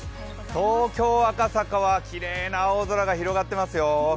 東京・赤坂はきれいな青空が広がってますよ。